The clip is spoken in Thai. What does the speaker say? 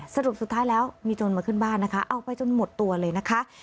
สรุปสุดท้ายแล้วมีโจรมาขึ้นบ้านนะคะเอาไปจนหมดตัวเลยนะคะ